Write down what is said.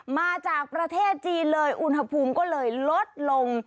มาจากประเทศจีนเลยอุณหภูมิก็เลยลดลง